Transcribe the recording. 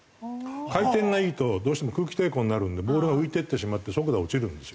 回転がいいとどうしても空気抵抗になるのでボールは浮いていってしまって速度が落ちるんですよ。